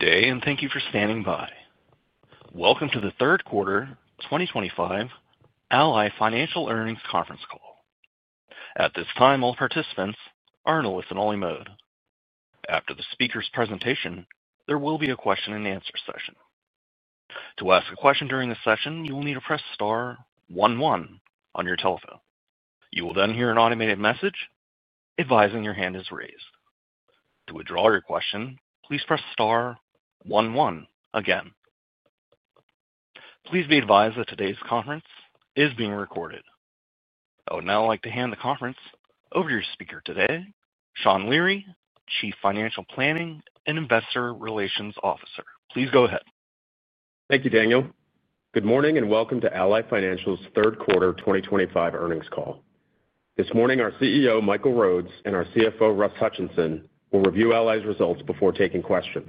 Today, and thank you for standing by. Welcome to the third quarter 2025 Ally Financial earnings conference call. At this time, all participants are in a listen-only mode. After the speaker's presentation, there will be a question-and-answer session. To ask a question during the session, you will need to press star one one on your telephone. You will then hear an automated message advising your hand is raised. To withdraw your question, please press star one one again. Please be advised that today's conference is being recorded. I would now like to hand the conference over to your speaker today, Sean Leary, Chief Financial Planning and Investor Relations Officer. Please go ahead. Thank you, Daniel. Good morning and welcome to Ally Financial's third quarter 2025 earnings call. This morning, our CEO, Michael Rhodes, and our CFO, Russ Hutchinson, will review Ally's results before taking questions.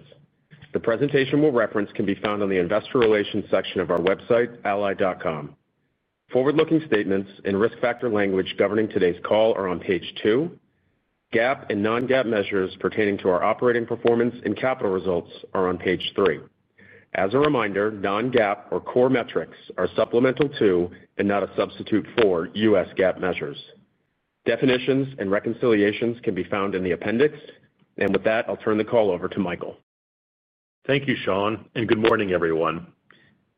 The presentation we'll reference can be found in the Investor Relations section of our website, ally.com. Forward-looking statements in risk factor language governing today's call are on page 2. GAAP and non-GAAP measures pertaining to our operating performance and capital results are on page 3. As a reminder, non-GAAP or core metrics are supplemental to and not a substitute for U.S. GAAP measures. Definitions and reconciliations can be found in the appendix. With that, I'll turn the call over to Michael. Thank you, Sean, and good morning, everyone.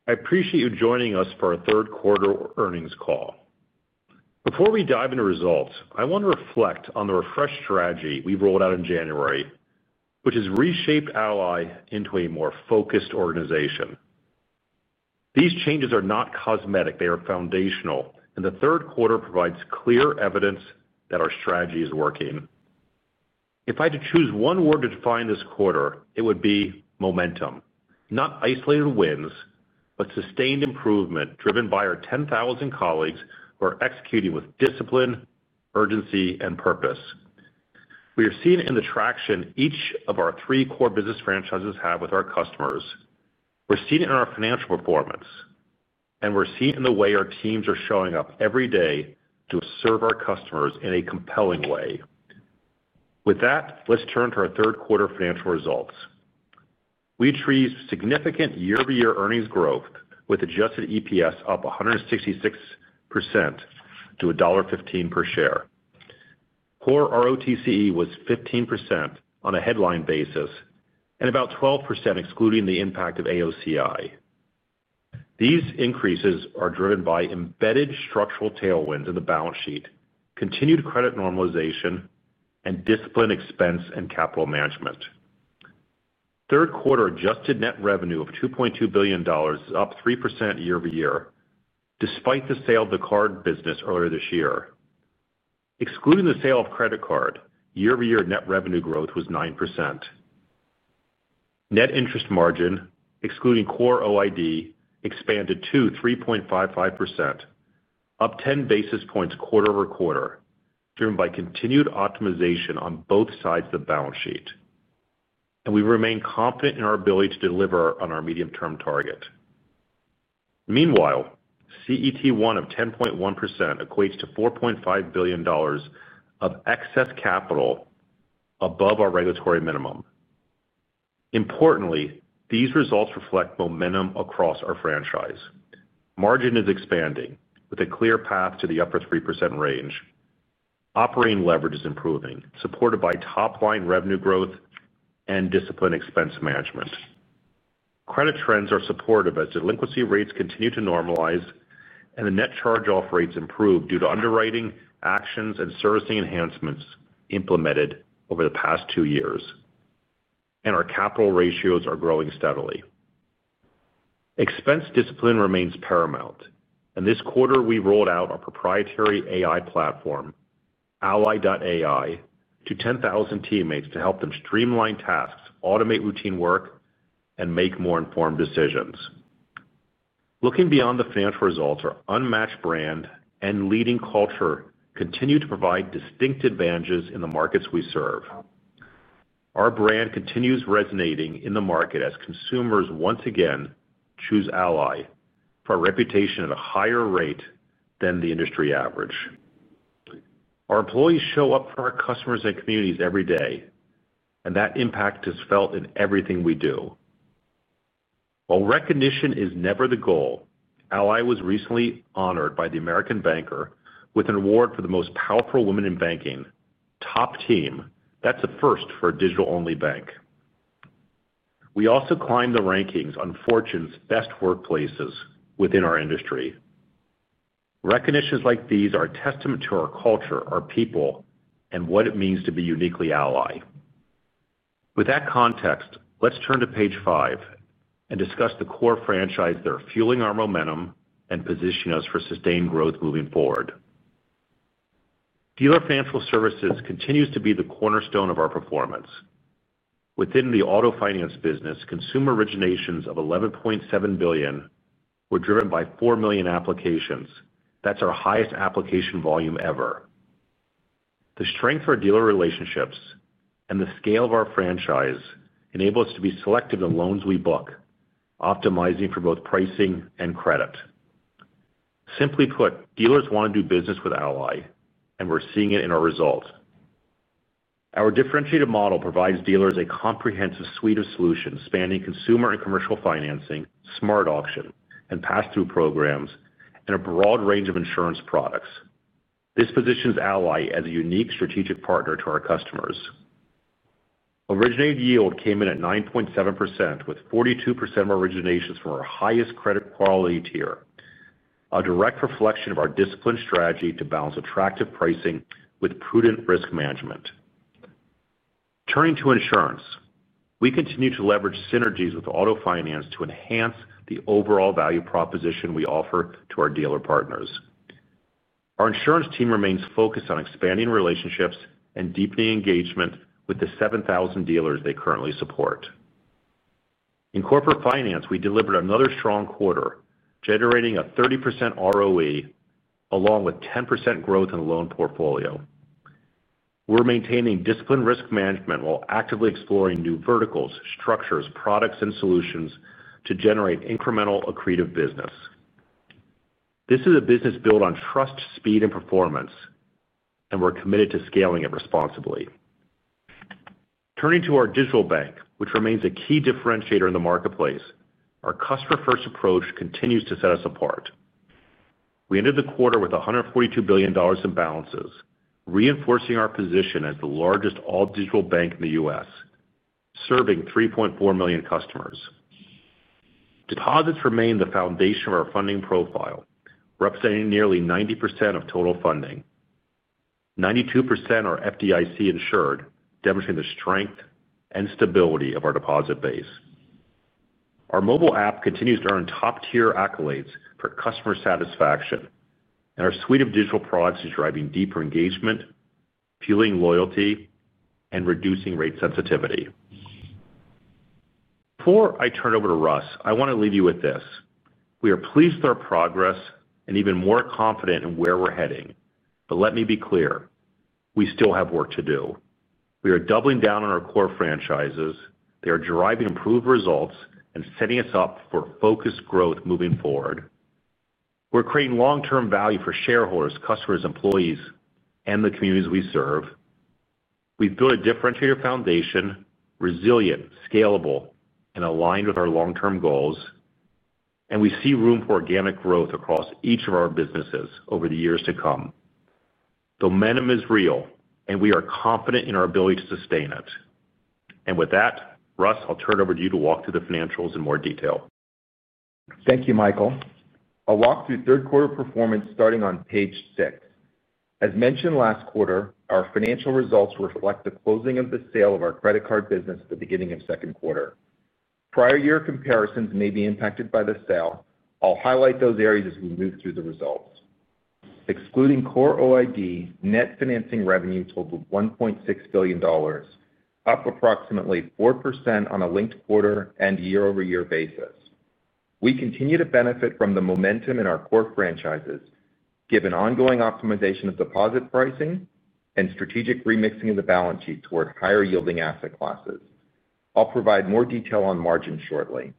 I appreciate you joining us for our third quarter earnings call. Before we dive into results, I want to reflect on the refreshed strategy we've rolled out in January, which has reshaped Ally into a more focused organization. These changes are not cosmetic, they are foundational, and the third quarter provides clear evidence that our strategy is working. If I had to choose one word to define this quarter, it would be momentum. Not isolated wins, but sustained improvement driven by our 10,000 colleagues who are executing with discipline, urgency, and purpose. We are seen in the traction each of our three core business franchises have with our customers. We're seen in our financial performance, and we're seen in the way our teams are showing up every day to serve our customers in a compelling way. With that, let's turn to our third quarter financial results. We achieved significant year-over-year earnings growth, with adjusted EPS up 166% to $1.15 per share. Core ROTCE was 15% on a headline basis and about 12% excluding the impact of AOCI. These increases are driven by embedded structural tailwinds in the balance sheet, continued credit normalization, and disciplined expense and capital management. Third quarter adjusted net revenue of $2.2 billion is up 3% year-over-year, despite the sale of the card business earlier this year. Excluding the sale of credit card, year-over-year net revenue growth was 9%. Net interest margin, excluding core OID, expanded to 3.55%, up 10 basis points quarter-over-quarter, driven by continued optimization on both sides of the balance sheet. We remain confident in our ability to deliver on our medium-term target. Meanwhile, CET1 of 10.1% equates to $4.5 billion of excess capital above our regulatory minimum. Importantly, these results reflect momentum across our franchise. Margin is expanding with a clear path to the upper 3% range. Operating leverage is improving, supported by top-line revenue growth and disciplined expense management. Credit trends are supportive as delinquency rates continue to normalize and the net charge-off rates improve due to underwriting actions and servicing enhancements implemented over the past two years. Our capital ratios are growing steadily. Expense discipline remains paramount, and this quarter we rolled out our proprietary AI platform, ally.ai, to 10,000 teammates to help them streamline tasks, automate routine work, and make more informed decisions. Looking beyond the financial results, our unmatched brand and leading culture continue to provide distinct advantages in the markets we serve. Our brand continues resonating in the market as consumers once again choose Ally for a reputation at a higher rate than the industry average. Our employees show up for our customers and communities every day, and that impact is felt in everything we do. While recognition is never the goal, Ally was recently honored by the American Banker with an award for the most powerful woman in banking, top team. That's a first for a digital-only bank. We also climbed the rankings on Fortune's best workplaces within our industry. Recognitions like these are a testament to our culture, our people, and what it means to be uniquely Ally. With that context, let's turn to page 5 and discuss the core franchise that are fueling our momentum and positioning us for sustained growth moving forward. Dealer Financial Services continues to be the cornerstone of our performance. Within the Auto Finance business, consumer originations of $11.7 billion were driven by 4 million applications. That's our highest application volume ever. The strength of our dealer relationships and the scale of our franchise enable us to be selective in the loans we book, optimizing for both pricing and credit. Simply put, dealers want to do business with Ally, and we're seeing it in our result. Our differentiated model provides dealers a comprehensive suite of solutions spanning consumer and commercial financing, SmartAuction, and Pass-Through Programs, and a broad range of insurance products. This positions Ally as a unique strategic partner to our customers. Originated yield came in at 9.7%, with 42% of our originations from our highest credit quality tier, a direct reflection of our disciplined strategy to balance attractive pricing with prudent risk management. Turning to insurance, we continue to leverage synergies with Auto Finance to enhance the overall value proposition we offer to our dealer partners. Our insurance team remains focused on expanding relationships and deepening engagement with the 7,000 dealers they currently support. In Corporate Finance, we delivered another strong quarter, generating a 30% ROE along with 10% growth in the loan portfolio. We're maintaining disciplined risk management while actively exploring new verticals, structures, products, and solutions to generate incremental accretive business. This is a business built on trust, speed, and performance, and we're committed to scaling it responsibly. Turning to our Digital Bank, which remains a key differentiator in the marketplace, our customer-first approach continues to set us apart. We ended the quarter with $142 billion in balances, reinforcing our position as the largest all-digital bank in the U.S., serving 3.4 million customers. Deposits remain the foundation of our funding profile, representing nearly 90% of total funding. 92% are FDIC insured, demonstrating the strength and stability of our deposit base. Our mobile app continues to earn top-tier accolades for customer satisfaction, and our suite of digital products is driving deeper engagement, fueling loyalty, and reducing rate sensitivity. Before I turn it over to Russ, I want to leave you with this. We are pleased with our progress and even more confident in where we're heading. We still have work to do. We are doubling down on our core franchises. They are driving improved results and setting us up for focused growth moving forward. We're creating long-term value for shareholders, customers, employees, and the communities we serve. We've built a differentiated foundation, resilient, scalable, and aligned with our long-term goals, and we see room for organic growth across each of our businesses over the years to come. The momentum is real, and we are confident in our ability to sustain it. With that, Russ, I'll turn it over to you to walk through the financials in more detail. Thank you, Michael. I'll walk through third quarter performance starting on page 6. As mentioned last quarter, our financial results reflect the closing of the sale of our credit card business at the beginning of the second quarter. Prior year comparisons may be impacted by the sale. I'll highlight those areas as we move through the results. Excluding core OID, net financing revenue totaled $1.6 billion, up approximately 4% on a linked quarter and year-over-year basis. We continue to benefit from the momentum in our core franchises, given ongoing optimization of deposit pricing and strategic remixing of the balance sheet toward higher yielding asset classes. I'll provide more detail on margin shortly.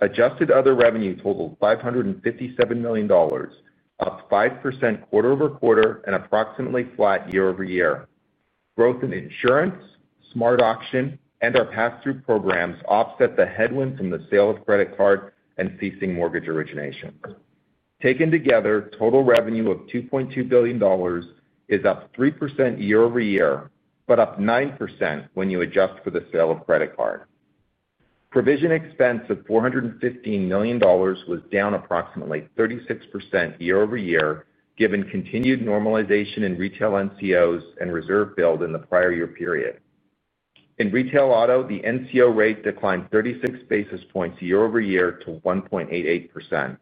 Adjusted other revenue totaled $557 million, up 5% quarter-over-quarter and approximately flat year-over-year. Growth in Insurance, SmartAuction, and our Pass-Through Programs offset the headwind from the sale of credit card and ceasing mortgage originations. Taken together, total revenue of $2.2 billion is up 3% year-over-year, but up 9% when you adjust for the sale of credit card. Provision expense of $415 million was down approximately 36% year-over-year, given continued normalization in retail NCOs and reserve build in the prior year period. In Retail Auto, the NCO rate declined 36 basis points year-over-year to 1.88%.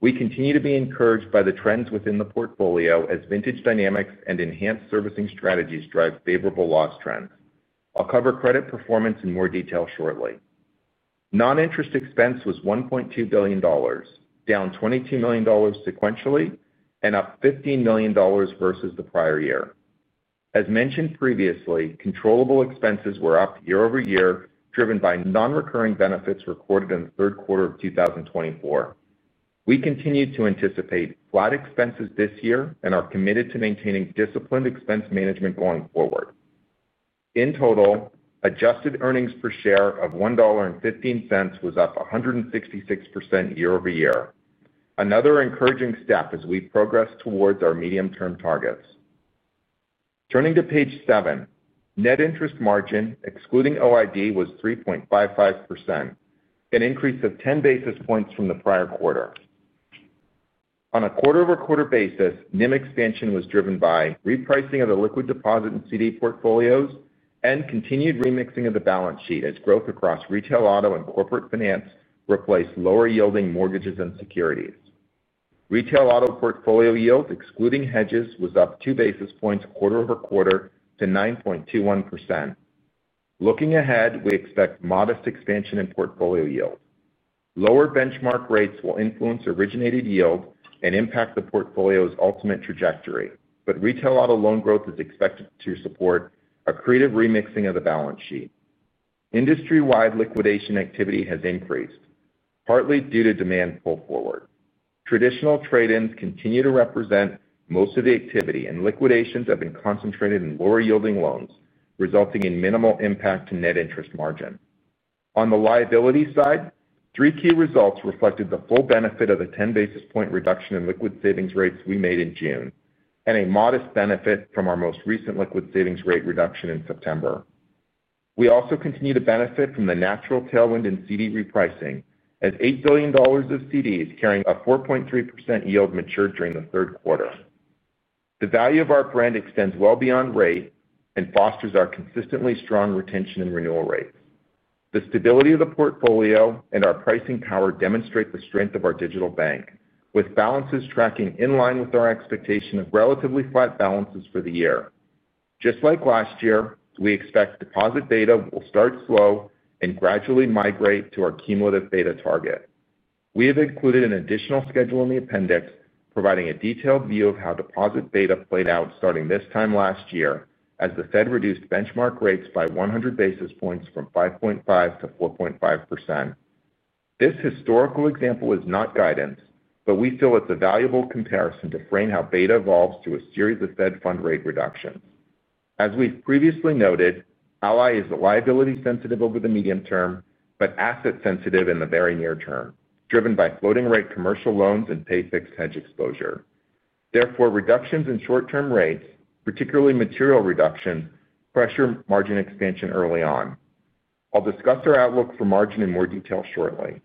We continue to be encouraged by the trends within the portfolio as vintage dynamics and enhanced servicing strategies drive favorable loss trends. I'll cover credit performance in more detail shortly. Non-interest expense was $1.2 billion, down $22 million sequentially and up $15 million versus the prior year. As mentioned previously, controllable expenses were up year-over-year, driven by non-recurring benefits recorded in the third quarter of 2024. We continue to anticipate flat expenses this year and are committed to maintaining disciplined expense management going forward. In total, adjusted earnings per share of $1.15 was up 166% year-over-year, another encouraging step as we progress towards our medium-term targets. Turning to page 7, net interest margin, excluding OID, was 3.55%, an increase of 10 basis points from the prior quarter. On a quarter-over-quarter basis, NIM expansion was driven by repricing of the liquid deposit and CD portfolios and continued remixing of the balance sheet as growth across Retail Auto and Corporate Finance replaced lower yielding mortgages and securities. Retail Auto portfolio yield, excluding hedges, was up 2 basis points quarter-over-quarter to 9.21%. Looking ahead, we expect modest expansion in portfolio yield. Lower benchmark rates will influence originated yield and impact the portfolio's ultimate trajectory, but retail auto loan growth is expected to support accretive remixing of the balance sheet. Industry-wide liquidation activity has increased, partly due to demand pull forward. Traditional trade-ins continue to represent most of the activity, and liquidations have been concentrated in lower yielding loans, resulting in minimal impact to net interest margin. On the liability side, three key results reflected the full benefit of the 10 basis point reduction in liquid savings rates we made in June and a modest benefit from our most recent liquid savings rate reduction in September. We also continue to benefit from the natural tailwind in CD repricing as $8 billion of CDs carrying a 4.3% yield matured during the third quarter. The value of our brand extends well beyond rate and fosters our consistently strong retention and renewal rates. The stability of the portfolio and our pricing power demonstrate the strength of our Digital Bank, with balances tracking in line with our expectation of relatively flat balances for the year. Just like last year, we expect deposit data will start slow and gradually migrate to our cumulative beta target. We have included an additional schedule in the appendix, providing a detailed view of how deposit beta played out starting this time last year as the Fed reduced benchmark rates by 100 basis points from 5.5% to 4.5%. This historical example is not guidance, but we feel it's a valuable comparison to frame how beta evolves to a series of Fed Fund Rate reductions. As we've previously noted, Ally is liability sensitive over the medium term, but asset sensitive in the very near term, driven by floating rate commercial loans and pay fixed hedge exposure. Therefore, reductions in short-term rates, particularly material reductions, pressure margin expansion early on. I'll discuss our outlook for margin in more detail shortly.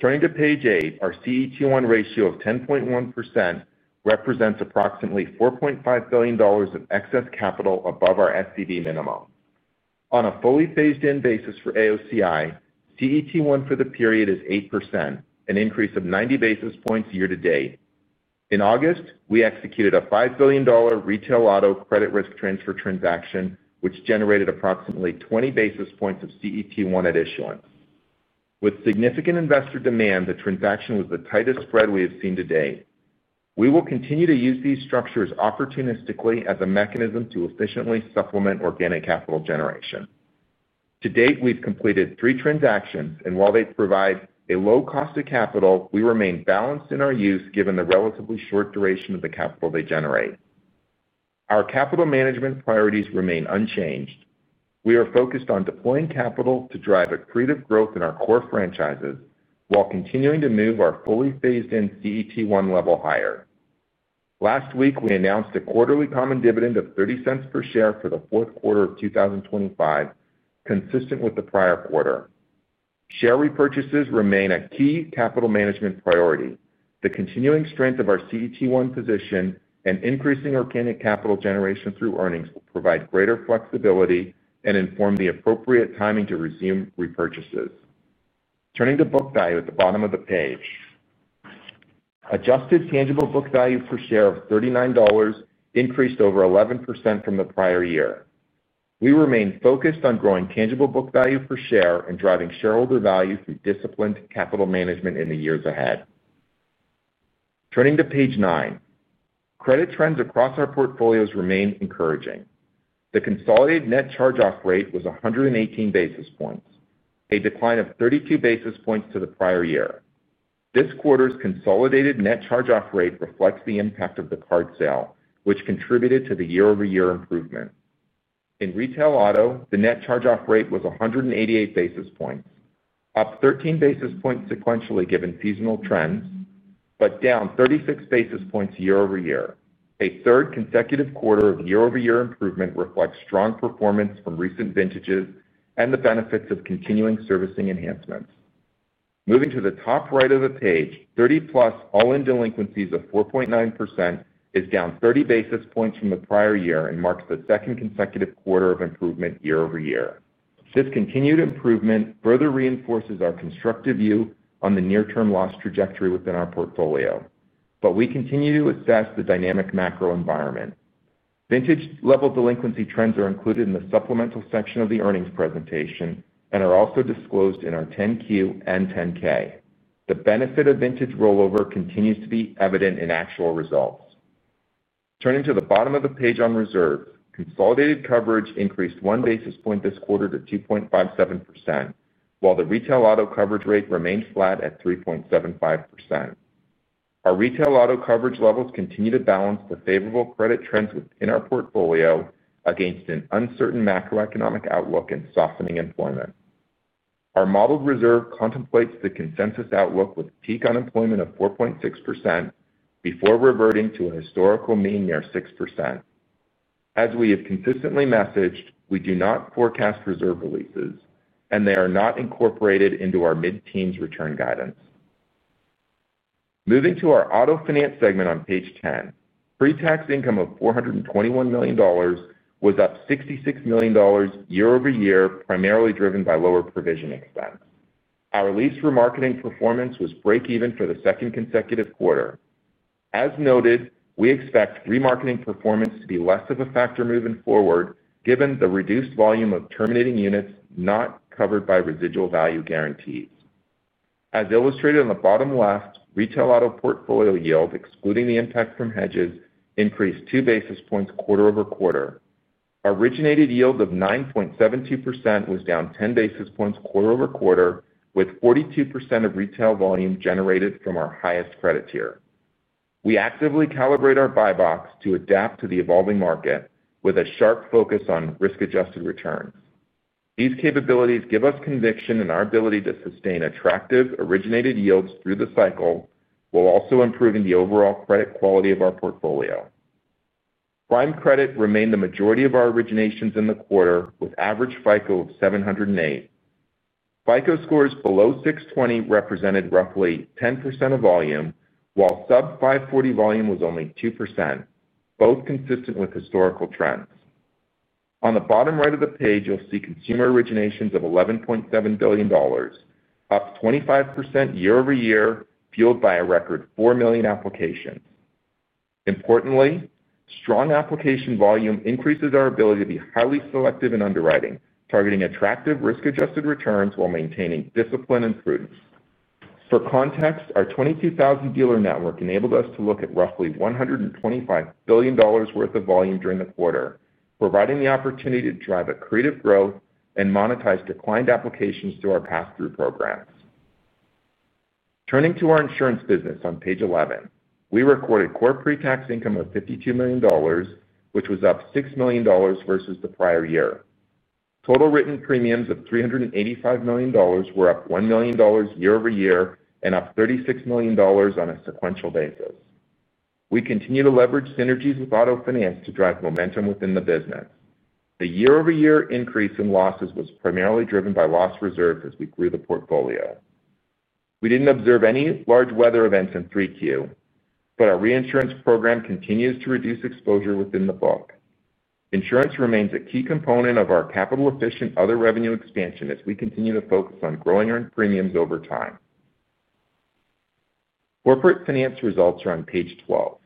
Turning to page 8, our CET1 ratio of 10.1% represents approximately $4.5 billion of excess capital above our SCD minimum. On a fully phased-in basis for AOCI, CET1 for the period is 8%, an increase of 90 basis points year-to-date. In August, we executed a $5 billion retail auto credit risk transfer transaction, which generated approximately 20 basis points of CET1 at issuance. With significant investor demand, the transaction was the tightest spread we have seen to date. We will continue to use these structures opportunistically as a mechanism to efficiently supplement organic capital generation. To date, we've completed three transactions, and while they provide a low cost of capital, we remain balanced in our use given the relatively short duration of the capital they generate. Our capital management priorities remain unchanged. We are focused on deploying capital to drive accretive growth in our core franchises while continuing to move our fully phased-in CET1 level higher. Last week, we announced a quarterly common dividend of $0.30 per share for the fourth quarter of 2025, consistent with the prior quarter. Share repurchases remain a key capital management priority. The continuing strength of our CET1 position and increasing organic capital generation through earnings will provide greater flexibility and inform the appropriate timing to resume repurchases. Turning to book value at the bottom of the page, adjusted tangible book value per share of $39 increased over 11% from the prior year. We remain focused on growing tangible book value per share and driving shareholder value through disciplined capital management in the years ahead. Turning to page 99, credit trends across our portfolios remain encouraging. The consolidated net charge-off rate was 118 basis points, a decline of 32 basis points to the prior year. This quarter's consolidated net charge-off rate reflects the impact of the card sale, which contributed to the year-over-year improvement. In retail auto, the net charge-off rate was 188 basis points, up 13 basis points sequentially given seasonal trends, but down 36 basis points year-over-year. A third consecutive quarter of year-over-year improvement reflects strong performance from recent vintages and the benefits of continuing servicing enhancements. Moving to the top right of the page, 30+ all-in delinquencies of 4.9% is down 30 basis points from the prior year and marks the second consecutive quarter of improvement year-over-year. This continued improvement further reinforces our constructive view on the near-term loss trajectory within our portfolio, but we continue to assess the dynamic macro environment. Vintage level delinquency trends are included in the supplemental section of the earnings presentation and are also disclosed in our 10-Q and 10-K. The benefit of vintage rollover continues to be evident in actual results. Turning to the bottom of the page on reserves, consolidated coverage increased 1 basis point this quarter to 2.57%, while the retail auto coverage rate remains flat at 3.75%. Our retail auto coverage levels continue to balance the favorable credit trends within our portfolio against an uncertain macroeconomic outlook and softening employment. Our modeled reserve contemplates the consensus outlook with peak unemployment of 4.6% before reverting to a historical mean near 6%. As we have consistently messaged, we do not forecast reserve releases, and they are not incorporated into our mid-teens return guidance. Moving to our Auto Finance segment on page 10, pre-tax income of $421 million was up $66 million year-over-year, primarily driven by lower provision expense. Our lease remarketing performance was breakeven for the second consecutive quarter. As noted, we expect remarketing performance to be less of a factor moving forward, given the reduced volume of terminating units not covered by residual value guarantees. As illustrated on the bottom left, Retail Auto Portfolio yield, excluding the impact from hedges, increased 2 basis points quarter-over-quarter. Originated yield of 9.72% was down 10 basis points quarter-over-quarter, with 42% of retail volume generated from our highest credit tier. We actively calibrate our buy box to adapt to the evolving market with a sharp focus on risk-adjusted returns. These capabilities give us conviction in our ability to sustain attractive originated yields through the cycle, while also improving the overall credit quality of our portfolio. Prime credit remained the majority of our originations in the quarter, with average FICO of 708. FICO scores below 620 represented roughly 10% of volume, while sub-540 volume was only 2%, both consistent with historical trends. On the bottom right of the page, you'll see consumer originations of $11.7 billion, up 25% year-over-year, fueled by a record 4 million applications. Importantly, strong application volume increases our ability to be highly selective in underwriting, targeting attractive risk-adjusted returns while maintaining discipline and prudence. For context, our 22,000 dealer network enabled us to look at roughly $125 billion worth of volume during the quarter, providing the opportunity to drive accretive growth and monetize declined applications through our Pass-Through Programs. Turning to our insurance business on page 11, we recorded core pre-tax income of $52 million, which was up $6 million versus the prior year. Total written premiums of $385 million were up $1 million year-over-year and up $36 million on a sequential basis. We continue to leverage synergies with Auto Finance to drive momentum within the business. The year-over-year increase in losses was primarily driven by loss reserves as we grew the portfolio. We didn't observe any large weather events in 3Q, but our reinsurance program continues to reduce exposure within the book. Insurance remains a key component of our capital-efficient other revenue expansion as we continue to focus on growing our premiums over time. Corporate Finance results are on page 12.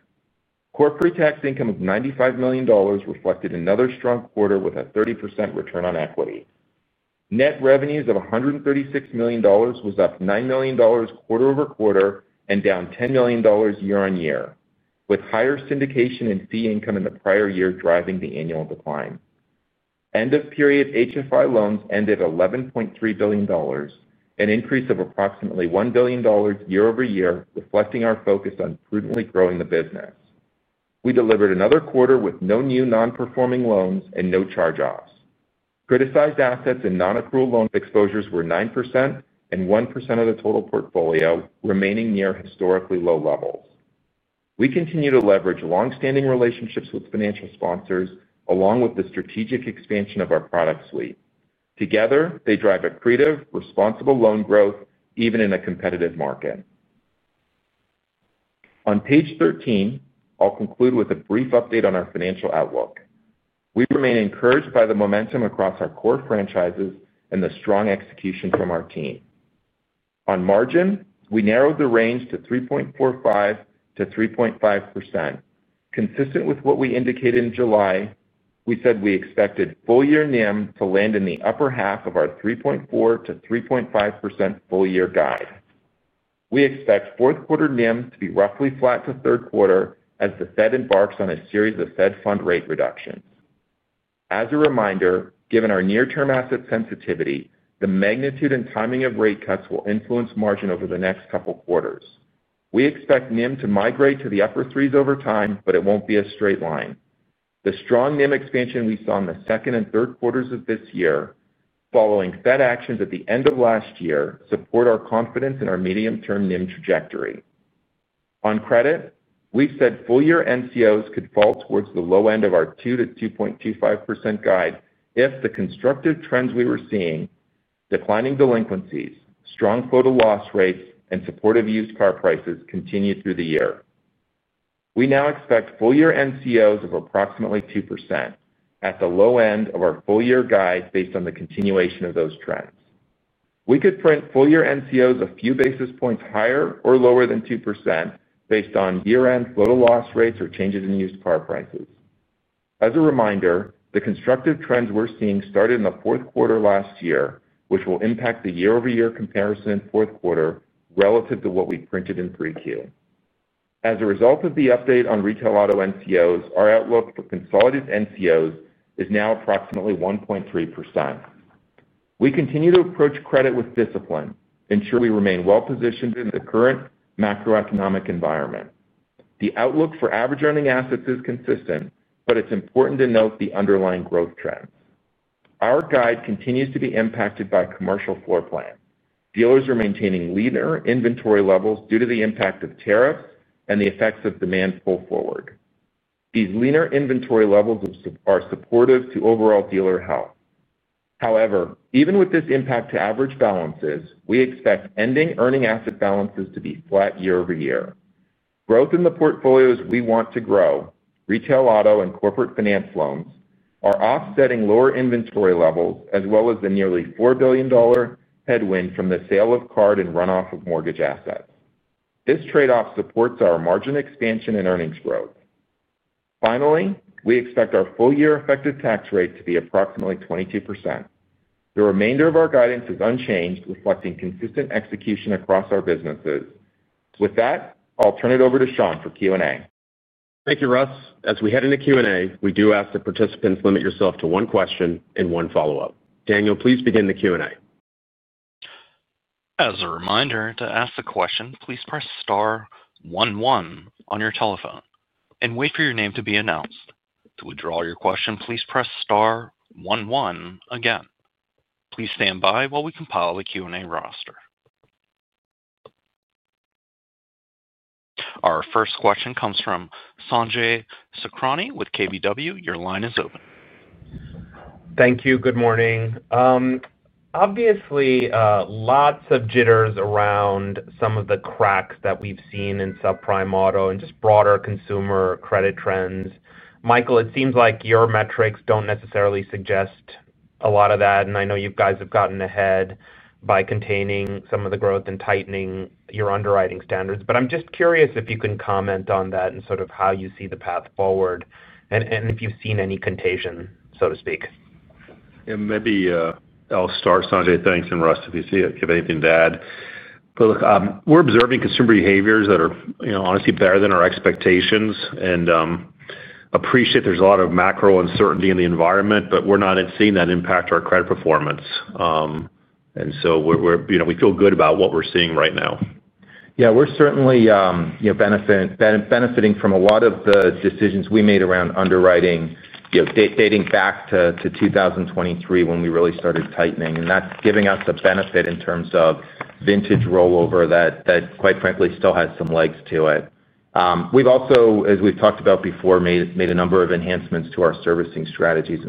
Core pre-tax income of $95 million reflected another strong quarter with a 30% return on equity. Net revenues of $136 million was up $9 million quarter-over-quarter and down $10 million year-on-year, with higher syndication and fee income in the prior year driving the annual decline. End-of-period HFI loans ended at $11.3 billion, an increase of approximately $1 billion year-over-year, reflecting our focus on prudently growing the business. We delivered another quarter with no new non-performing loans and no charge-offs. Criticized assets and non-accrual loan exposures were 9% and 1% of the total portfolio, remaining near historically low levels. We continue to leverage longstanding relationships with financial sponsors, along with the strategic expansion of our product suite. Together, they drive accretive, responsible loan growth, even in a competitive market. On page 13, I'll conclude with a brief update on our financial outlook. We remain encouraged by the momentum across our core franchises and the strong execution from our team. On margin, we narrowed the range to 3.45%-3.5%, consistent with what we indicated in July. We said we expected full-year NIM to land in the upper half of our 3.4%-3.5% full-year guide. We expect fourth quarter NIM to be roughly flat to third quarter as the Fed embarks on a series of Fed Fund Rate reductions. As a reminder, given our near-term asset sensitivity, the magnitude and timing of rate cuts will influence margin over the next couple of quarters. We expect NIM to migrate to the upper threes over time, but it won't be a straight line. The strong NIM expansion we saw in the second and third quarters of this year, following Fed actions at the end of last year, support our confidence in our medium-term NIM trajectory. On credit, we said full-year NCOs could fall towards the low end of our 2%-2.25% guide if the constructive trends we were seeing, declining delinquencies, strong total loss rates, and supportive used car prices continue through the year. We now expect full-year NCOs of approximately 2% at the low end of our full-year guide based on the continuation of those trends. We could print full-year NCOs a few basis points higher or lower than 2% based on year-end total loss rates or changes in used car prices. As a reminder, the constructive trends we're seeing started in the fourth quarter last year, which will impact the year-over-year comparison in fourth quarter relative to what we printed in 3Q. As a result of the update on retail auto NCOs, our outlook for consolidated NCOs is now approximately 1.3%. We continue to approach credit with discipline, ensuring we remain well positioned in the current macroeconomic environment. The outlook for average earning assets is consistent, but it's important to note the underlying growth trends. Our guide continues to be impacted by commercial floor plan. Dealers are maintaining leaner inventory levels due to the impact of tariffs and the effects of demand pull forward. These leaner inventory levels are supportive to overall dealer health. However, even with this impact to average balances, we expect ending earning asset balances to be flat year-over-year. Growth in the portfolios we want to grow, Retail Auto and Corporate Finance loans, are offsetting lower inventory levels as well as the nearly $4 billion headwind from the sale of card and runoff of mortgage assets. This trade-off supports our margin expansion and earnings growth. Finally, we expect our full-year effective tax rate to be approximately 22%. The remainder of our guidance is unchanged, reflecting consistent execution across our businesses. With that, I'll turn it over to Sean for Q&A. Thank you, Russ. As we head into Q&A, we do ask that participants limit yourself to one question and one follow-up. Daniel, please begin the Q&A. As a reminder, to ask a question, please press star one one on your telephone and wait for your name to be announced. To withdraw your question, please press star one one again. Please stand by while we compile the Q&A roster. Our first question comes from Sanjay Sakhani with KBW. Your line is open. Thank you. Good morning. Obviously, lots of jitters around some of the cracks that we've seen in subprime auto and just broader consumer credit trends. Michael, it seems like your metrics don't necessarily suggest a lot of that. I know you guys have gotten ahead by containing some of the growth and tightening your underwriting standards. I'm just curious if you can comment on that and sort of how you see the path forward and if you've seen any contagion, so to speak. Yeah, maybe I'll start. Sanjay, thanks. Russ, if you have anything to add. Look, we're observing consumer behaviors that are honestly better than our expectations. I appreciate there's a lot of macro uncertainty in the environment, but we're not seeing that impact our credit performance. We feel good about what we're seeing right now. Yeah, we're certainly benefiting from a lot of the decisions we made around underwriting, dating back to 2023 when we really started tightening. That's giving us a benefit in terms of vintage rollover that, quite frankly, still has some legs to it. We've also, as we've talked about before, made a number of enhancements to our servicing strategies.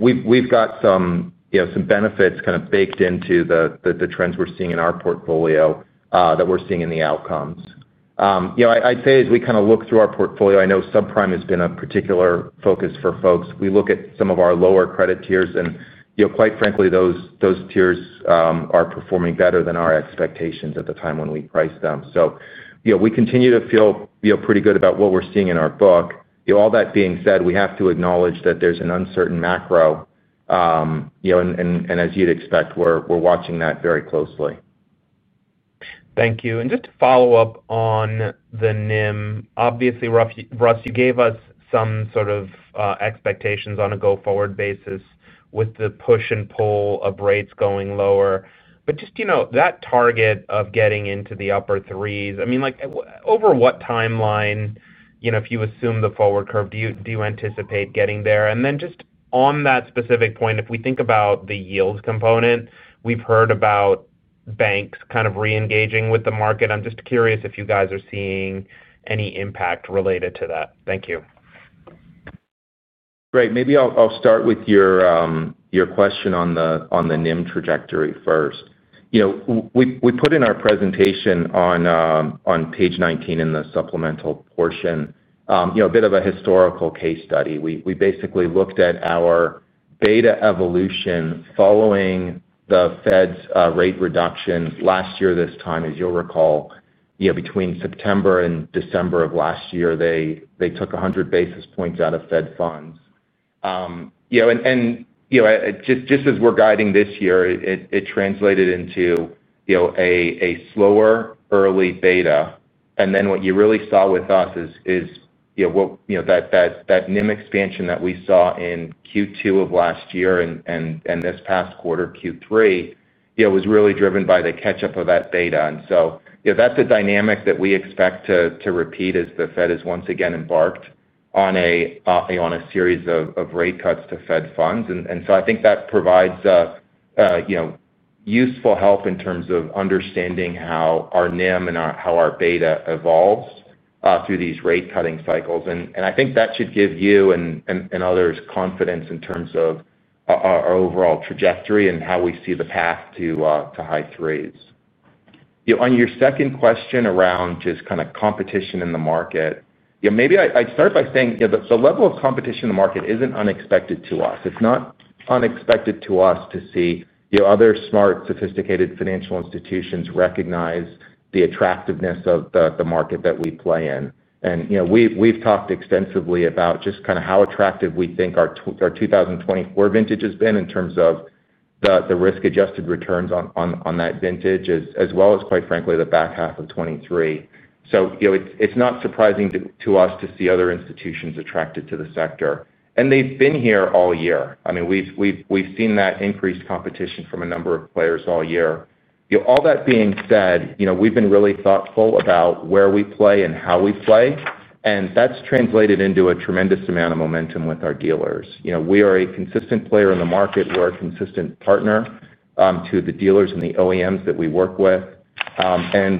We've got some benefits kind of baked into the trends we're seeing in our portfolio that we're seeing in the outcomes. I'd say as we kind of look through our portfolio, I know subprime has been a particular focus for folks. We look at some of our lower credit tiers, and quite frankly, those tiers are performing better than our expectations at the time when we priced them. We continue to feel pretty good about what we're seeing in our book. All that being said, we have to acknowledge that there's an uncertain macro, and as you'd expect, we're watching that very closely. Thank you. Just to follow up on the NIM, obviously, Russ, you gave us some sort of expectations on a go-forward basis with the push and pull of rates going lower. That target of getting into the upper threes, over what timeline, if you assume the forward curve, do you anticipate getting there? On that specific point, if we think about the yield component, we've heard about banks kind of re-engaging with the market. I'm just curious if you guys are seeing any impact related to that. Thank you. Great. Maybe I'll start with your question on the NIM trajectory first. We put in our presentation on page 19 in the supplemental portion a bit of a historical case study. We basically looked at our beta evolution following the Fed's Rate reduction last year this time. As you'll recall, between September and December of last year, they took 100 basis points out of Fed Funds. Just as we're guiding this year, it translated into a slower early beta. What you really saw with us is that NIM expansion that we saw in Q2 of last year and this past quarter Q3 was really driven by the catch-up of that beta. That's a dynamic that we expect to repeat as the Fed has once again embarked on a series of rate cuts to Fed Funds. I think that provides useful help in terms of understanding how our NIM and how our beta evolves through these rate cutting cycles. I think that should give you and others confidence in terms of our overall trajectory and how we see the path to high threes. On your second question around just kind of competition in the market, maybe I'd start by saying the level of competition in the market isn't unexpected to us. It's not unexpected to us to see other smart, sophisticated financial institutions recognize the attractiveness of the market that we play in. We've talked extensively about just kind of how attractive we think our 2024 vintage has been in terms of the risk-adjusted returns on that vintage, as well as, quite frankly, the back half of 2023. It's not surprising to us to see other institutions attracted to the sector. They've been here all year. We've seen that increased competition from a number of players all year. All that being said, we've been really thoughtful about where we play and how we play. That's translated into a tremendous amount of momentum with our dealers. We are a consistent player in the market. We're a consistent partner to the dealers and the OEMs that we work with.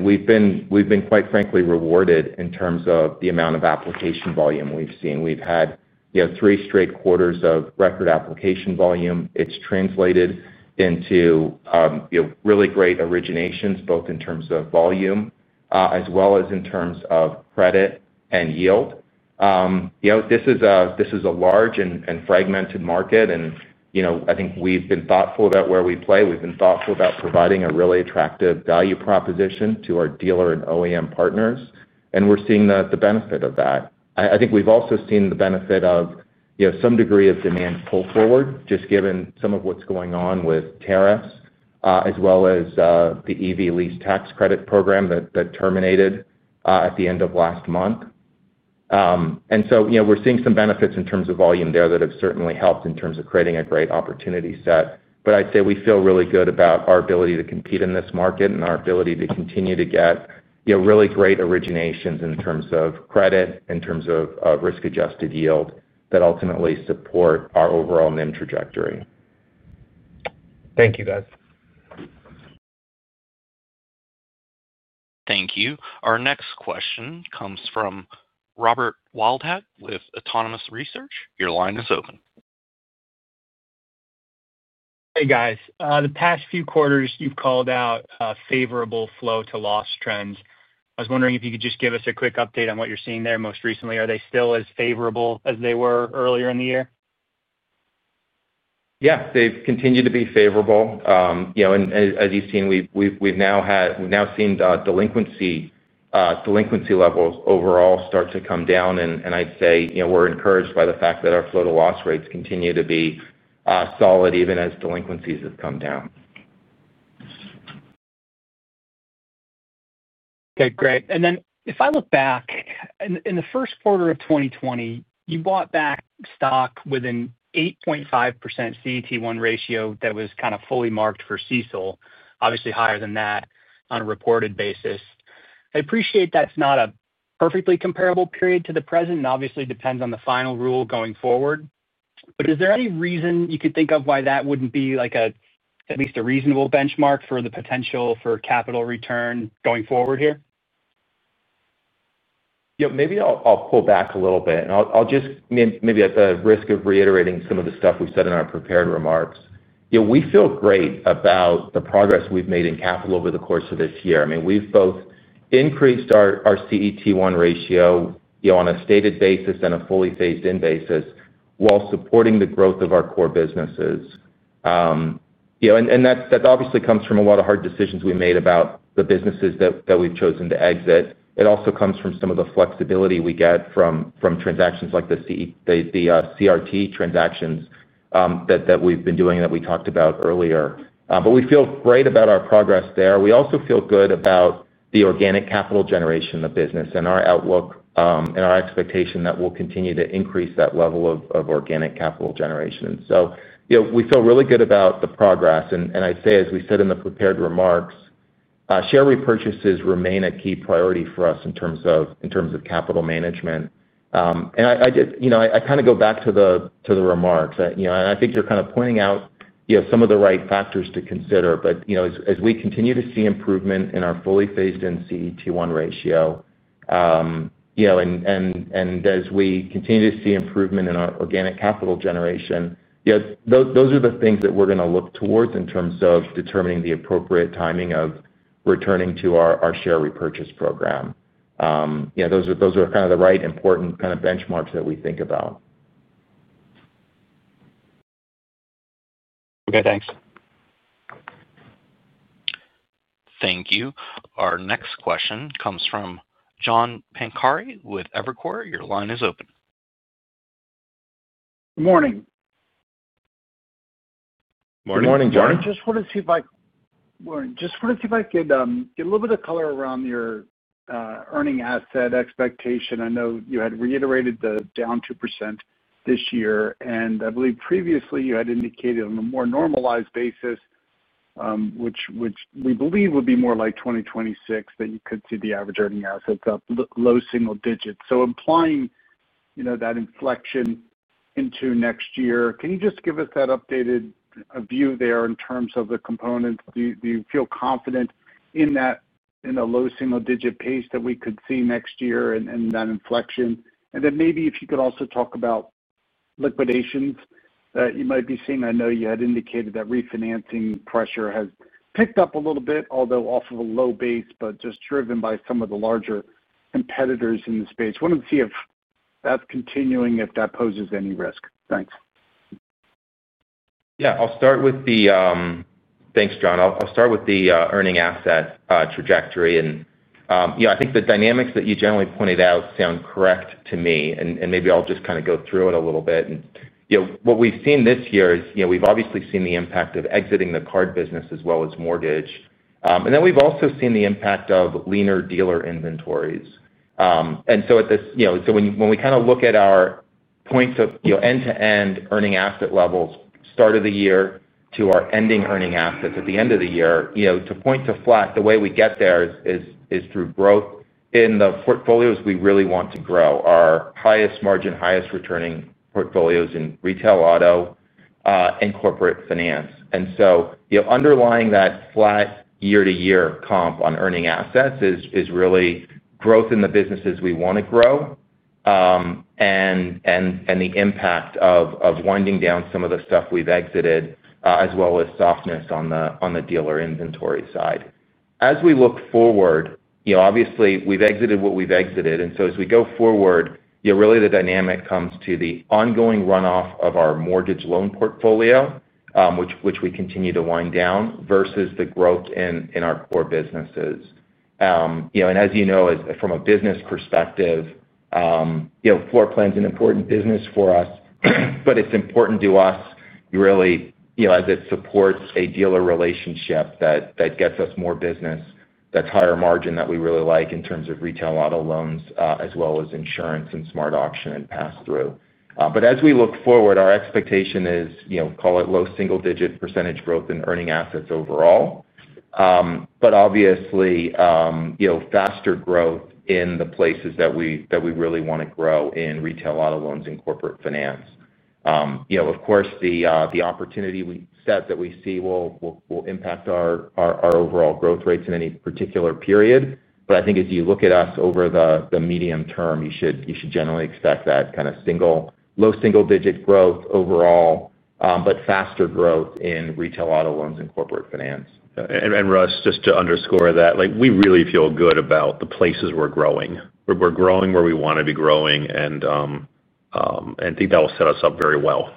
We've been, quite frankly, rewarded in terms of the amount of application volume we've seen. We've had three straight quarters of record application volume. It's translated into really great originations, both in terms of volume as well as in terms of credit and yield. This is a large and fragmented market. I think we've been thoughtful about where we play. We've been thoughtful about providing a really attractive value proposition to our dealer and OEM partners. We're seeing the benefit of that. I think we've also seen the benefit of some degree of demand pull forward, just given some of what's going on with tariffs, as well as the EV lease tax credit program that terminated at the end of last month. We're seeing some benefits in terms of volume there that have certainly helped in terms of creating a great opportunity set. I'd say we feel really good about our ability to compete in this market and our ability to continue to get really great originations in terms of credit, in terms of risk-adjusted yield that ultimately support our overall NIM trajectory. Thank you, guys. Thank you. Our next question comes from Robert Wildhack with Autonomous Research. Your line is open. Hey, guys. The past few quarters, you've called out favorable flow-to-loss trends. I was wondering if you could just give us a quick update on what you're seeing there most recently. Are they still as favorable as they were earlier in the year? Yeah, they've continued to be favorable. As you've seen, we've now had, we've now seen delinquency levels overall start to come down. I'd say we're encouraged by the fact that our flow-to-loss rates continue to be solid even as delinquencies have come down. Okay, great. If I look back in the first quarter of 2020, you bought back stock with an 8.5% CET1 ratio that was kind of fully marked for CECL, obviously higher than that on a reported basis. I appreciate that's not a perfectly comparable period to the present and obviously depends on the final rule going forward. Is there any reason you could think of why that wouldn't be at least a reasonable benchmark for the potential for capital return going forward here? Maybe I'll pull back a little bit. I'll just, at the risk of reiterating some of the stuff we said in our prepared remarks, say we feel great about the progress we've made in capital over the course of this year. We've both increased our CET1 ratio on a stated basis and a fully phased-in basis while supporting the growth of our core businesses. That obviously comes from a lot of hard decisions we made about the businesses that we've chosen to exit. It also comes from some of the flexibility we get from transactions like the CRT transactions that we've been doing that we talked about earlier. We feel great about our progress there. We also feel good about the organic capital generation in the business and our outlook and our expectation that we'll continue to increase that level of organic capital generation. We feel really good about the progress. As we said in the prepared remarks, share repurchases remain a key priority for us in terms of capital management. I kind of go back to the remarks. I think you're kind of pointing out some of the right factors to consider. As we continue to see improvement in our fully phased-in CET1 ratio, and as we continue to see improvement in our organic capital generation, those are the things that we're going to look towards in terms of determining the appropriate timing of returning to our share repurchase program. Those are the right important benchmarks that we think about. Okay, thanks. Thank you. Our next question comes from John Pancari with Evercore. Your line is open. Good morning. Morning, John. Just wanted to see if I could get a little bit of color around your earning asset expectation. I know you had reiterated down 2% this year. I believe previously you had indicated on a more normalized basis, which we believe would be more like 2026, that you could see the average earning assets up low single digits. Implying, you know, that inflection into next year, can you just give us that updated view there in terms of the components? Do you feel confident in that in a low single digit pace that we could see next year and that inflection? Maybe if you could also talk about liquidations that you might be seeing. I know you had indicated that refinancing pressure has picked up a little bit, although off of a low base, just driven by some of the larger competitors in the space. I wanted to see if that's continuing, if that poses any risk. Thanks. Yeah, I'll start with the, thanks, John. I'll start with the earning asset trajectory. I think the dynamics that you generally pointed out sound correct to me. Maybe I'll just kind of go through it a little bit. What we've seen this year is we've obviously seen the impact of exiting the card business as well as mortgage. We've also seen the impact of leaner dealer inventories. At this point, when we kind of look at our points of end-to-end earning asset levels, start of the year to our ending earning assets at the end of the year, to point to flat, the way we get there is through growth in the portfolios we really want to grow, our highest margin, highest returning portfolios in Retail Auto and Corporate Finance. Underlying that flat year-to-year comp on earning assets is really growth in the businesses we want to grow and the impact of winding down some of the stuff we've exited, as well as softness on the dealer inventory side. As we look forward, we've exited what we've exited. As we go forward, really the dynamic comes to the ongoing runoff of our Mortgage Loan portfolio, which we continue to wind down versus the growth in our core businesses. As you know, from a business perspective, floor plan's an important business for us, but it's important to us really as it supports a dealer relationship that gets us more business that's higher margin that we really like in terms of retail auto loans, as well as insurance and smart auction and pass-through. As we look forward, our expectation is, call it low single-digit % growth in earning assets overall, with faster growth in the places that we really want to grow in Retail Auto loans and Corporate Finance. Of course, the opportunity set that we see will impact our overall growth rates in any particular period. I think as you look at us over the medium term, you should generally expect that kind of low single-digit growth overall, with faster growth in Retail Auto loans and Corporate Finance. Russ, just to underscore that, we really feel good about the places we're growing. We're growing where we want to be growing, and I think that will set us up very well.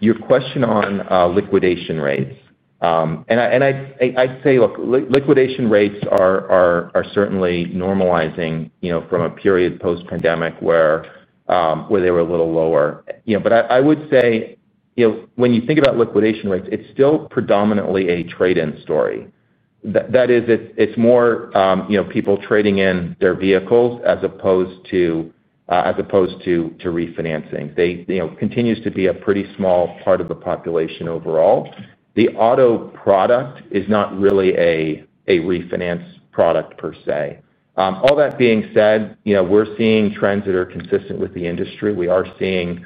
Your question on liquidation rates. I'd say, look, liquidation rates are certainly normalizing from a period post-pandemic where they were a little lower. When you think about liquidation rates, it's still predominantly a trade-in story. That is, it's more people trading in their vehicles as opposed to refinancing. They continue to be a pretty small part of the population overall. The auto product is not really a refinance product per se. All that being said, we're seeing trends that are consistent with the industry. We are seeing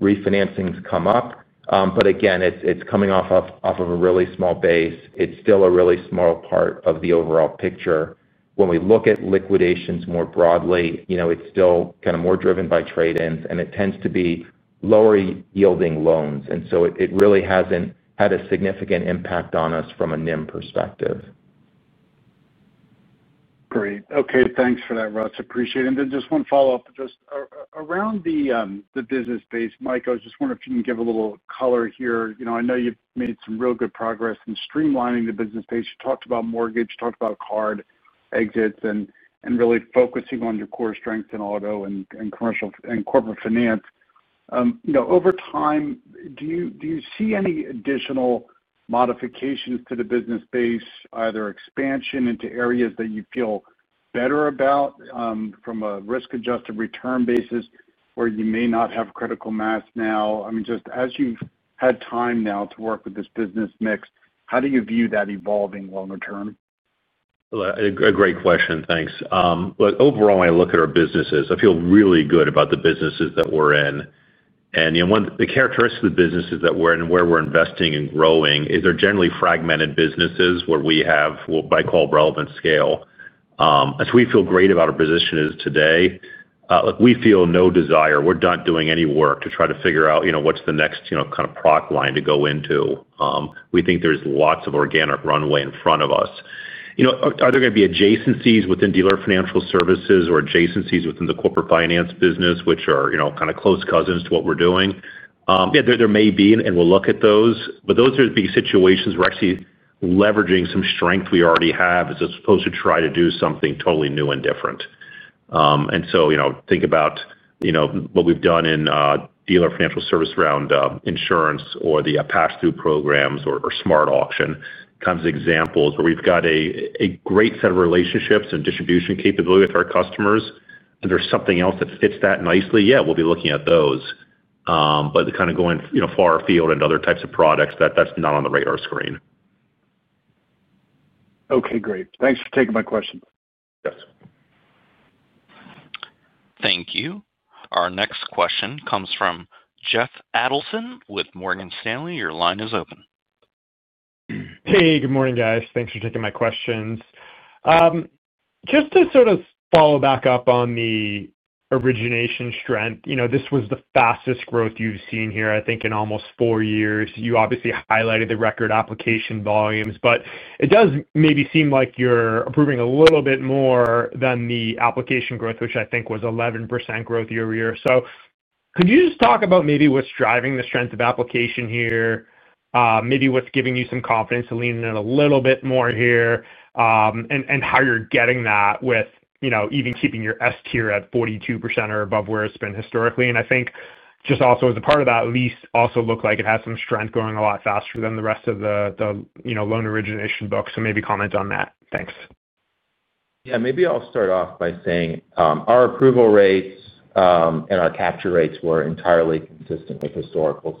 refinancings come up. Again, it's coming off of a really small base. It's still a really small part of the overall picture. When we look at liquidations more broadly, it's still kind of more driven by trade-ins, and it tends to be lower yielding loans. It really hasn't had a significant impact on us from a NIM perspective. Great. Okay, thanks for that, Russ. I appreciate it. Just one follow-up around the business base, Michael, I was just wondering if you can give a little color here. I know you've made some real good progress in streamlining the business base. You talked about mortgage, you talked about card exits, and really focusing on your core strengths in Auto and Corporate Finance. Over time, do you see any additional modifications to the business base, either expansion into areas that you feel better about from a risk-adjusted return basis where you may not have critical mass now? Just as you've had time now to work with this business mix, how do you view that evolving longer-term? A great question. Thanks. Look, overall, when I look at our businesses, I feel really good about the businesses that we're in. One of the characteristics of the businesses that we're in and where we're investing and growing is they're generally fragmented businesses where we have what I call relevant scale. We feel great about our position today. We feel no desire. We're not doing any work to try to figure out what's the next kind of product line to go into. We think there's lots of organic runway in front of us. Are there going to be adjacencies within Dealer Financial Services or adjacencies within the corporate finance business, which are kind of close cousins to what we're doing? Yeah, there may be, and we'll look at those. Those are the situations where we're actually leveraging some strength we already have as opposed to trying to do something totally new and different. Think about what we've done in Dealer Financial Services around insurance or the Pass-Through Programs or SmartAuction, kinds of examples where we've got a great set of relationships and distribution capability with our customers, and there's something else that fits that nicely. Yeah, we'll be looking at those. Kind of going far afield into other types of products, that's not on the radar screen. Okay, great. Thanks for taking my questions. Yes. Thank you. Our next question comes from Jeff Adelson with Morgan Stanley. Your line is open. Hey, good morning, guys. Thanks for taking my questions. Just to sort of follow back up on the origination strength, this was the fastest growth you've seen here, I think, in almost four years. You obviously highlighted the record application volumes, but it does maybe seem like you're improving a little bit more than the application growth, which I think was 11% growth year-over-year. Could you just talk about maybe what's driving the strength of application here, maybe what's giving you some confidence to lean in a little bit more here, and how you're getting that with even keeping your S-tier at 42% or above where it's been historically. I think just also as a part of that, lease also looked like it had some strength going a lot faster than the rest of the loan origination book. Maybe comment on that. Thanks. Yeah. I'll start off by saying our approval rates and our capture rates were entirely consistent with historical.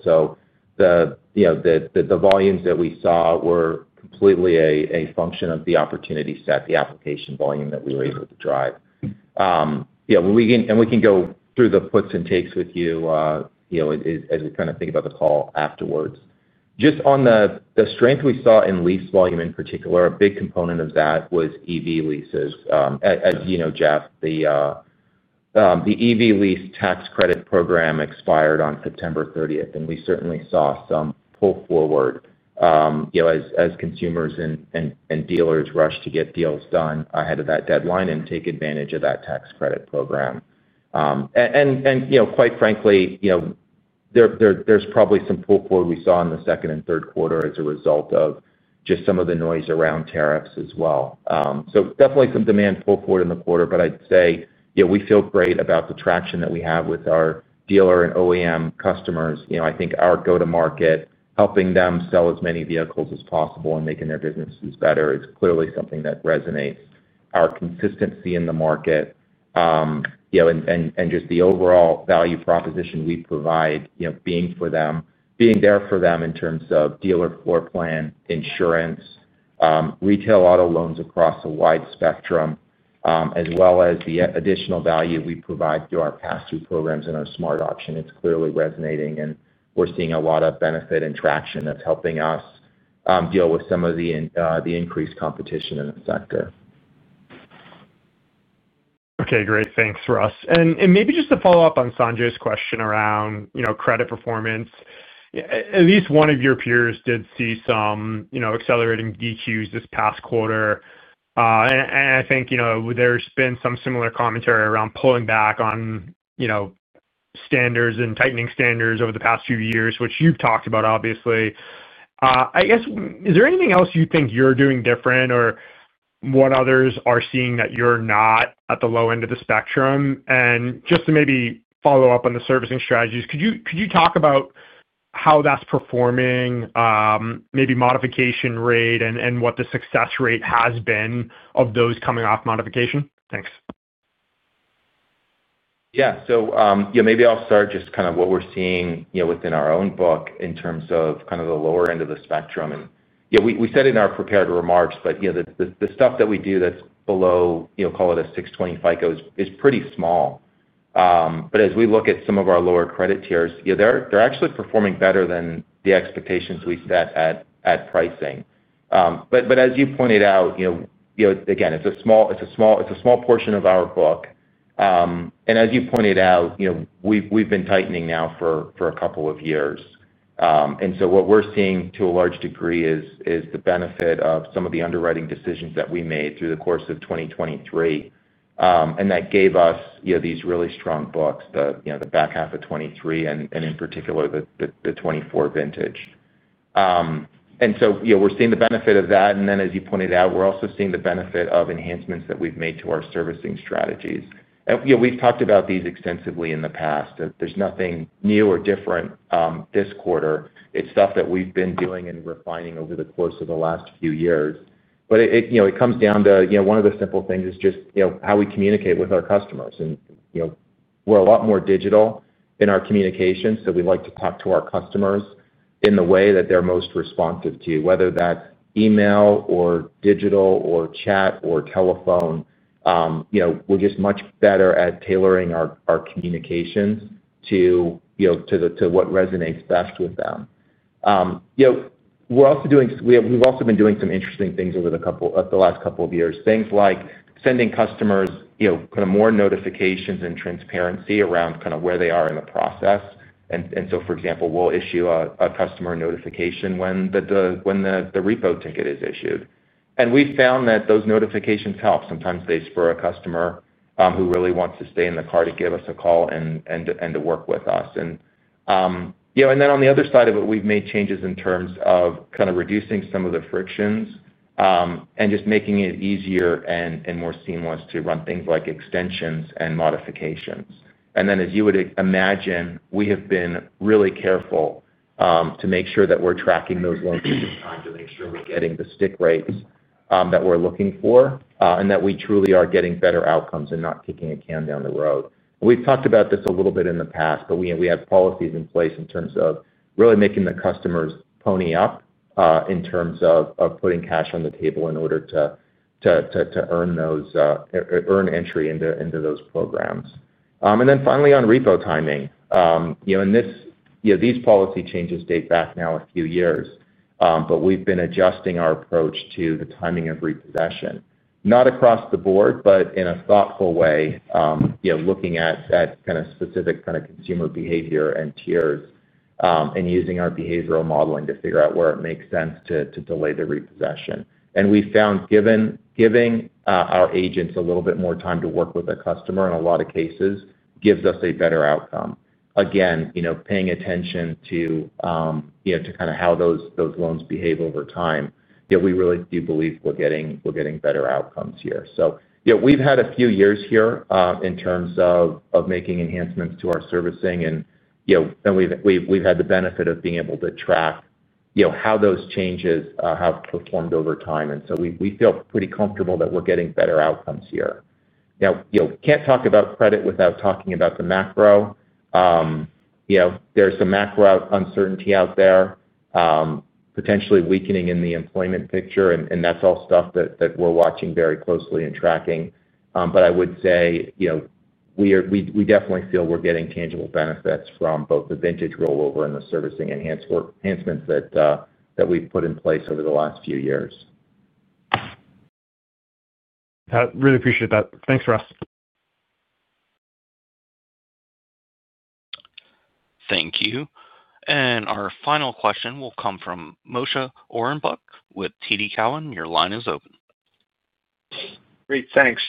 The volumes that we saw were completely a function of the opportunity set, the application volume that we were able to drive. We can go through the puts and takes with you as we kind of think about the call afterwards. Just on the strength we saw in lease volume in particular, a big component of that was EV leases. As you know, Jeff, the EV lease tax credit program expired on September 30th, and we certainly saw some pull forward as consumers and dealers rushed to get deals done ahead of that deadline and take advantage of that tax credit program. Quite frankly, there's probably some pull forward we saw in the second and third quarter as a result of just some of the noise around tariffs as well. Definitely some demand pull forward in the quarter, but I'd say we feel great about the traction that we have with our dealer and OEM customers. I think our go-to-market, helping them sell as many vehicles as possible and making their businesses better, is clearly something that resonates. Our consistency in the market and just the overall value proposition we provide, being there for them in terms of dealer floor plan, insurance, retail auto loans across a wide spectrum, as well as the additional value we provide through our Pass-Through Programs and our SmartAuction, is clearly resonating. We're seeing a lot of benefit and traction that's helping us deal with some of the increased competition in the sector. Okay, great. Thanks, Russ. Maybe just to follow up on Sanjay's question around credit performance, at least one of your peers did see some accelerating DQs this past quarter. I think there's been some similar commentary around pulling back on standards and tightening standards over the past few years, which you've talked about, obviously. Is there anything else you think you're doing different or what others are seeing that you're not at the low end of the spectrum? Just to maybe follow up on the servicing strategies, could you talk about how that's performing, maybe modification rate and what the success rate has been of those coming off modification? Thanks. Maybe I'll start just with what we're seeing within our own book in terms of the lower end of the spectrum. We said in our prepared remarks, but the stuff that we do that's below, call it a 620 FICO, is pretty small. As we look at some of our lower credit tiers, they're actually performing better than the expectations we set at pricing. As you pointed out, it's a small portion of our book. As you pointed out, we've been tightening now for a couple of years. What we're seeing to a large degree is the benefit of some of the underwriting decisions that we made through the course of 2023. That gave us these really strong books, the back half of 2023 and in particular the 2024 vintage. We're seeing the benefit of that. As you pointed out, we're also seeing the benefit of enhancements that we've made to our servicing strategies. We've talked about these extensively in the past. There's nothing new or different this quarter. It's stuff that we've been doing and refining over the course of the last few years. It comes down to one of the simple things, just how we communicate with our customers. We're a lot more digital in our communication, so we like to talk to our customers in the way that they're most responsive to, whether that's email or digital or chat or telephone. We're just much better at tailoring our communications to what resonates best with them. We're also doing some interesting things over the last couple of years, things like sending customers more notifications and transparency around where they are in the process. For example, we'll issue a customer notification when the repo ticket is issued. We found that those notifications help. Sometimes they spur a customer who really wants to stay in the car to give us a call and to work with us. On the other side of it, we've made changes in terms of reducing some of the frictions and just making it easier and more seamless to run things like extensions and modifications. As you would imagine, we have been really careful to make sure that we're tracking those loans in time to make sure we're getting the stick rates that we're looking for and that we truly are getting better outcomes and not kicking a can down the road. We've talked about this a little bit in the past, but we have policies in place in terms of really making the customers pony up in terms of putting cash on the table in order to earn entry into those programs. Finally, on repo timing, these policy changes date back now a few years, but we've been adjusting our approach to the timing of repossession, not across the Board, but in a thoughtful way, looking at specific consumer behavior and tiers and using our behavioral modeling to figure out where it makes sense to delay the repossession. We found giving our agents a little bit more time to work with a customer in a lot of cases gives us a better outcome. Again, paying attention to how those loans behave over time, we really do believe we're getting better outcomes here. We've had a few years here in terms of making enhancements to our servicing, and we've had the benefit of being able to track how those changes have performed over time. We feel pretty comfortable that we're getting better outcomes here. Now, can't talk about credit without talking about the macro. There's some macro uncertainty out there, potentially weakening in the employment picture, and that's all stuff that we're watching very closely and tracking. We definitely feel we're getting tangible benefits from both the vintage rollover and the servicing enhancements that we've put in place over the last few years. I really appreciate that. Thanks, Russ. Thank you. Our final question will come from Moshe Orenbuch with TD Cowen. Your line is open. Great, thanks.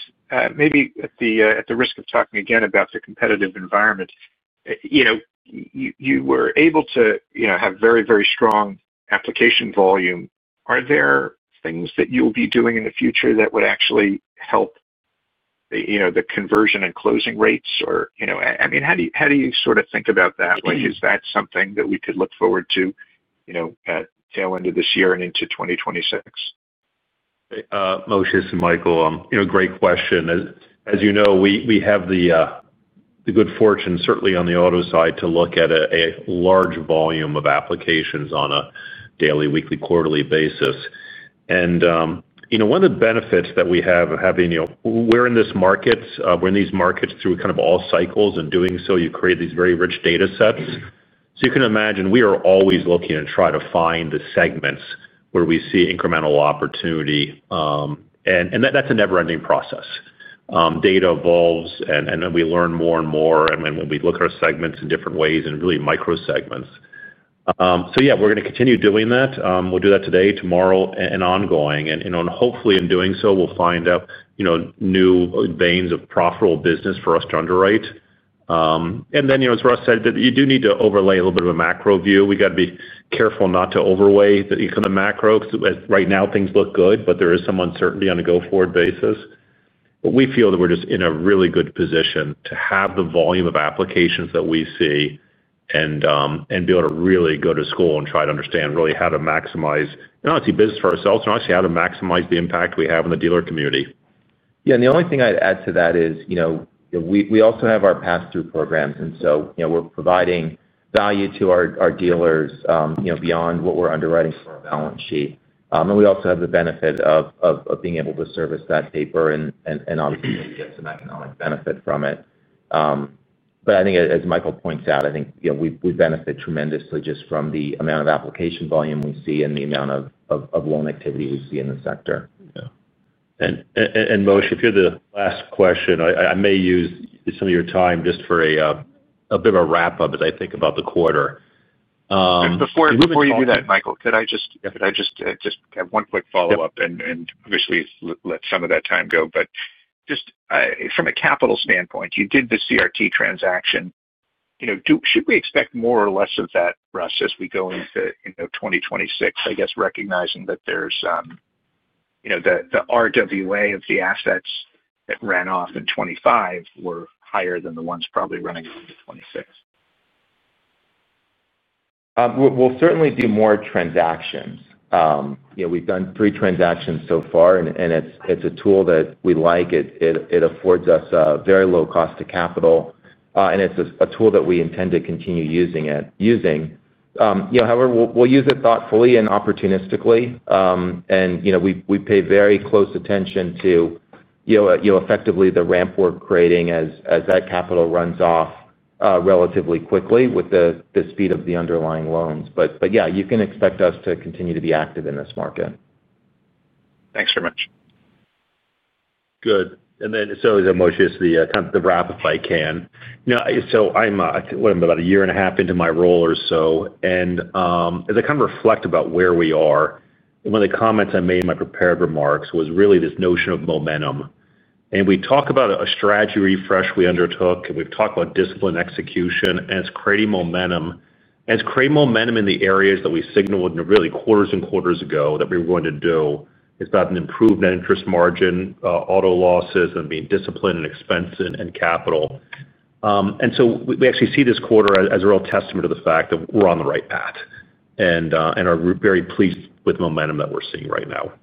Maybe at the risk of talking again about the competitive environment, you were able to have very, very strong application volume. Are there things that you'll be doing in the future that would actually help the conversion and closing rates? How do you sort of think about that? Is that something that we could look forward to at the tail end of this year and into 2026? Moshe it's Michael, great question. As you know, we have the good fortune certainly on the Auto side to look at a large volume of applications on a daily, weekly, quarterly basis. One of the benefits that we have of having, you know, we're in this market, we're in these markets through kind of all cycles. In doing so, you create these very rich data sets. You can imagine we are always looking and trying to find the segments where we see incremental opportunity. That's a never-ending process. Data evolves and we learn more and more. When we look at our segments in different ways and really micro segments. Yeah, we're going to continue doing that. We'll do that today, tomorrow, and ongoing. Hopefully, in doing so, we'll find out new veins of profitable business for us to underwrite. As Russ said, you do need to overlay a little bit of a macro view. We got to be careful not to overweigh the macro because right now things look good, but there is some uncertainty on a go-forward basis. We feel that we're just in a really good position to have the volume of applications that we see and be able to really go to school and try to understand really how to maximize, and obviously business for ourselves, and obviously how to maximize the impact we have in the dealer community. The only thing I'd add to that is, we also have our Pass-Through Programs. We're providing value to our dealers beyond what we're underwriting for our balance sheet. We also have the benefit of being able to service that paper and obviously get some economic benefit from it. I think, as Michael points out, we benefit tremendously just from the amount of application volume we see and the amount of loan activity we see in the sector. Yeah. Moshe, if you're the last question, I may use some of your time just for a bit of a wrap-up as I think about the quarter. Before you do that, Michael, could I just have one quick follow-up and obviously let some of that time go? Just from a capital standpoint, you did the CRT transaction. Should we expect more or less of that, Russ, as we go into 2026, recognizing that the RWA of the assets that ran off in 2025 were higher than the ones probably running in 2026? We'll certainly do more transactions. We've done three transactions so far, and it's a tool that we like. It affords us a very low cost to capital, and it's a tool that we intend to continue using. However, we'll use it thoughtfully and opportunistically. We pay very close attention to, effectively, the ramp we're creating as that capital runs off relatively quickly with the speed of the underlying loans. You can expect us to continue to be active in this market. Thanks very much. Good. Is Moshe, just to kind of wrap if I can. You know, I think I'm about a year and a half into my role or so. As I kind of reflect about where we are, one of the comments I made in my prepared remarks was really this notion of momentum. We talk about a strategy refresh we undertook, and we've talked about discipline execution, and it's creating momentum. It's creating momentum in the areas that we signaled really quarters and quarters ago that we were going to do. It's about an improved net interest margin, auto losses, and being disciplined and expensive and capital. We actually see this quarter as a real testament to the fact that we're on the right path and are very pleased with the momentum that we're seeing right now.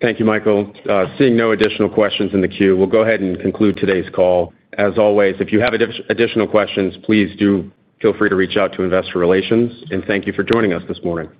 Thank you, Michael. Seeing no additional questions in the queue, we'll go ahead and conclude today's call. As always, if you have additional questions, please do feel free to reach out to Investor Relations. Thank you for joining us this morning.